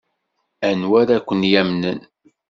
Anwa ara ken-yamnen?